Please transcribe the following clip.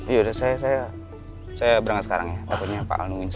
yaudah saya berangkat sekarang ya takutnya pak al nungguin saya